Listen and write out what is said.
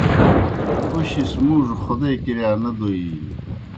پُشیْ سہ مُوڙوْ خودے کِرِیا نہ دوئینیْ